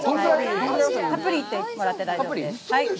たっぷりいってもらって大丈夫です。